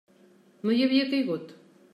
No hi havia caigut.